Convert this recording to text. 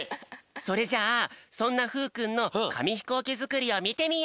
それじゃあそんなふうくんのかみひこうきづくりをみてみよう！